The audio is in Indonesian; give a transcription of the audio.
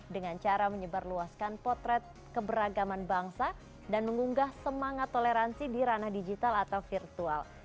dengan cara menyebarluaskan potret keberagaman bangsa dan mengunggah semangat toleransi di ranah digital atau virtual